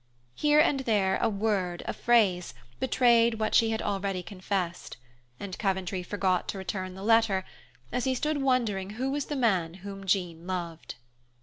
Here and there a word, a phrase, betrayed what she had already confessed, and Coventry forgot to return the letter, as he stood wondering who was the man whom Jean loved.